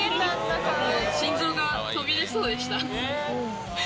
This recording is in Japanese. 心臓が飛び出そうでした。